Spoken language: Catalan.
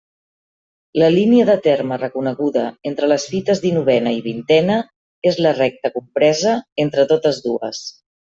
La línia de terme reconeguda entre les fites dinovena i vintena és la recta compresa entre totes dues.